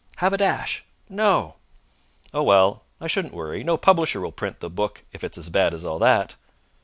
"Have a dash!" "No!" "Oh, well, I shouldn't worry. No publisher will print the book if it's as bad as all that."